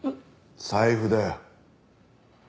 財布だよ。